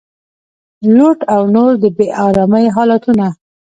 لوډ او نور د بې ارامۍ حالتونه